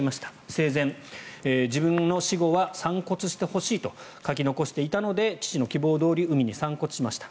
生前、自分の死後は散骨してほしいと書き残していたので父の希望どおり海に散骨しました。